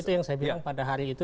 itu yang saya bilang pada hari itu